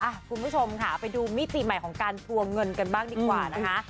คุณผู้ชมค่ะไปดูมิติใหม่ของการทวงเงินกันบ้างดีกว่านะคะ